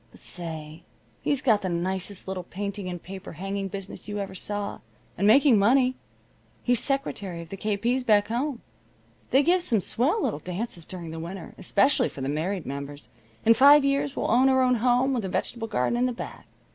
But say, he's got the nicest little painting and paper hanging business you ever saw, and making money. He's secretary of the K. P.'s back home. They give some swell little dances during the winter, especially for the married members. In five years we'll own our home, with a vegetable garden in the back.